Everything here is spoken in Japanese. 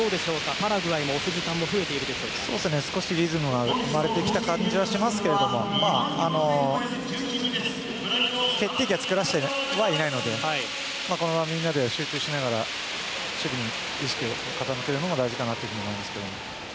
パラグアイの押す時間帯が少しリズムが生まれてきた感じはしますけど決定機は作らせていないのでこのまま、みんなで集中しながら守備に意識を傾けるのも大事かなと思います。